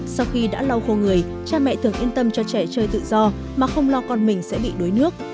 sau khi đã lau khô người cha mẹ thường yên tâm cho trẻ chơi tự do mà không lo con mình sẽ bị đuối nước